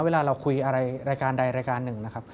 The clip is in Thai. เวลาเราคุยอะไรรายการใดรายการหนึ่งนะครับ